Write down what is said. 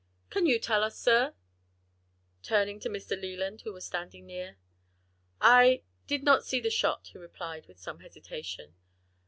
Can you tell us, sir?" turning to Mr. Leland, who was standing near. "I did not see the shot," he replied with some hesitation.